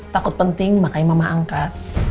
takut penting makanya mama angkas